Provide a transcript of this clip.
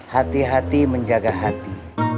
hati hati menjaga hati